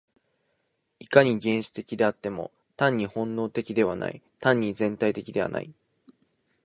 いかに原始的であっても、単に本能的ではない、単に全体的ではない。